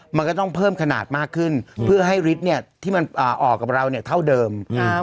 มันก็ต้องเพิ่มขนาดมากขึ้นเพื่อให้ฤทธิ์เนี่ยที่มันออกกับเราเนี่ยเท่าเดิมนะครับ